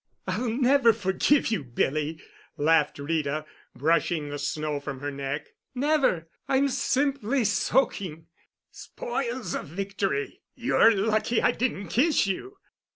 "I'll never forgive you, Billy," laughed Rita, brushing the snow from her neck. "Never—I'm simply soaking." "Spoils of victory! You're lucky I didn't kiss you."